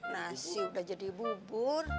nasi udah jadi bubur